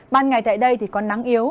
ban ngày tại đây thì có nắng yếu